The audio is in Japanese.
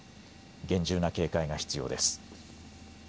厳重な警戒が必要です。